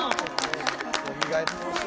よみがえってほしい。